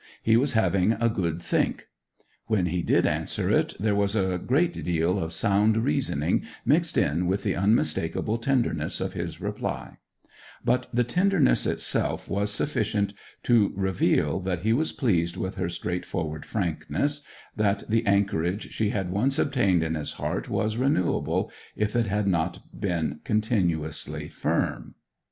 He was having 'a good think.' When he did answer it, there was a great deal of sound reasoning mixed in with the unmistakable tenderness of his reply; but the tenderness itself was sufficient to reveal that he was pleased with her straightforward frankness; that the anchorage she had once obtained in his heart was renewable, if it had not been continuously firm.